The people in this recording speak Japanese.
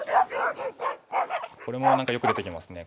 これも何かよく出てきますね